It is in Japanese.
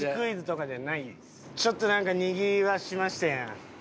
ちょっとなんかにぎわせましたやん。